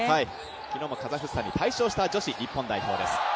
昨日もカザフスタンに大勝した女子日本代表です。